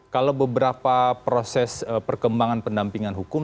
kalau beberapa proses perkembangan pendampingan hukum